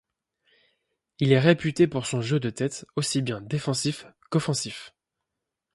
Il est réputé pour son jeu de tête, aussi bien défensif qu'offensif.